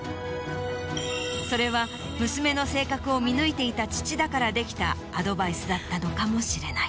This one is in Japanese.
それは娘の性格を見抜いていた父だからできたアドバイスだったのかもしれない。